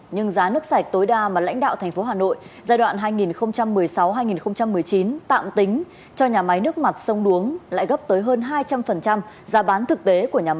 nhưng giá nước sạch tối đa mà lãnh đạo thành phố hà nội giai đoạn hai nghìn một mươi sáu hai nghìn một mươi chín tạm tính cho nhà máy nước mặt sông đuống lại gấp tới hơn hai trăm linh triệu